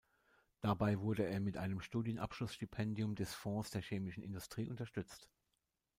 Dabei wurde er mit einem Studienabschluss-Stipendium des Fonds der Chemischen Industrie unterstützt.